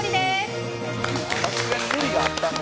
「さすがに無理があったんか。